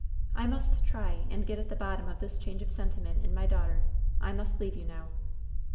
I must try and get at the bottom of this change of sentiment in my daughter. I must leave you now."